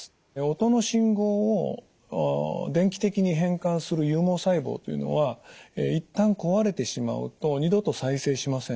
音の信号を電気的に変換する有毛細胞というのは一旦壊れてしまうと二度と再生しません。